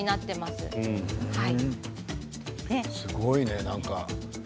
すごいねなんか。